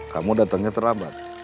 kamu datangnya terlambat